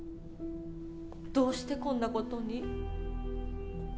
どうしてこんなことに？